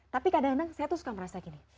tapi kadang kadang saya tuh suka merasa gini